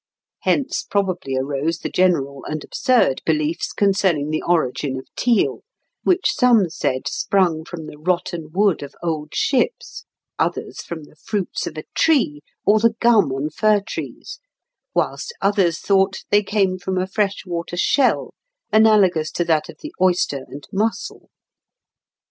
Hence probably arose the general and absurd beliefs concerning the origin of teal, which some said sprung from the rotten wood of old ships, others from the fruits of a tree, or the gum on fir trees, whilst others thought they came from a fresh water shell analogous to that of the oyster and mussel.